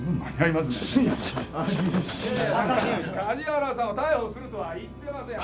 梶山さんを逮捕するとは言ってません。